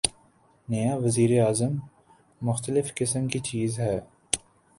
نیا وزیر اعظم مختلف قسم کی چیز ہے۔